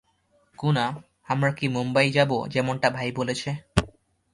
গুনা, আমরা কি মুম্বাই যাব যেমনটা ভাই বলেছে?